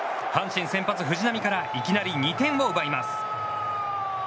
阪神先発、藤浪からいきなり２点を奪います。